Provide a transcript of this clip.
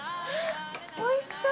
おいしそう！